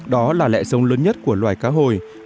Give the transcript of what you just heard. đó là lẽ sống lớn nhất của loài cá hồi